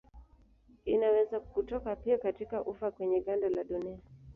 Inaweza kutoka pia katika ufa kwenye ganda la dunia.